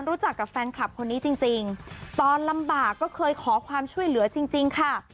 รู้จักกับแฟนคลับคนนี้จริงตอนลำบากก็เคยขอความช่วยเหลือจริงค่ะ